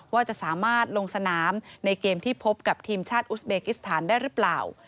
ว่าจะสามารถลงสนามในเกมที่พบกับทีมชาติอุสเบกิสถานได้หรือเปล่า